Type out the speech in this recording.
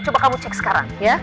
coba kamu cek sekarang ya